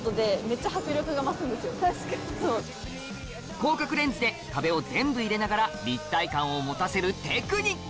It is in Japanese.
広角レンズで壁を全部入れながら立体感を持たせるテクニック